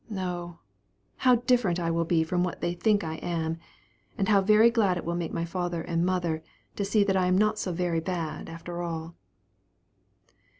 O, how different I will be from what they think I am; and how very glad it will make my father and mother to see that I am not so very bad, after all.